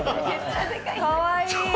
かわいい。